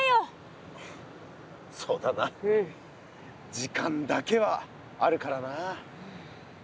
時間だけはあるからな。